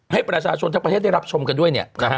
ให้ประชาชนทั้งประเทศได้รับชมกันด้วย